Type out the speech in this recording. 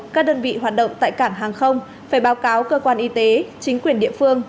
các đơn vị hoạt động tại cảng hàng không phải báo cáo cơ quan y tế chính quyền địa phương